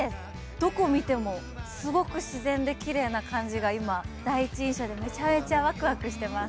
どこ見ても、すごく自然できれいな感じが今、第一印象でめちゃめちゃワクワクしてます。